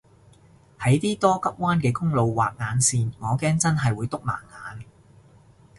喺啲多急彎嘅公路畫眼線我驚真係會篤盲眼